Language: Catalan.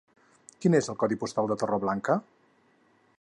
Quin és el codi postal de Torreblanca?